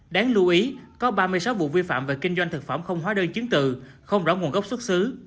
đáng lưu ý có ba mươi sáu vụ vi phạm về kinh doanh thực phẩm không hóa đơn chứng từ không rõ nguồn gốc xuất xứ